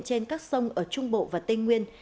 trên các sông ở trung bộ và tây nguyên